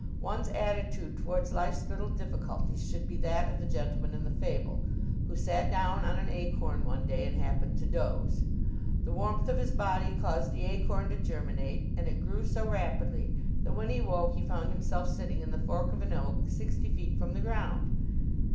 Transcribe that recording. One's attitude towards Life's Little Difficulties should be that of the gentleman in the fable, who sat down on an acorn one day, and happened to doze. The warmth of his body caused the acorn to germinate, and it grew so rapidly that, when he awoke, he found himself sitting in the fork of an oak, sixty feet from the ground.